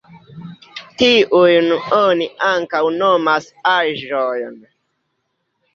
Tiujn oni ankaŭ nomas aĵojn.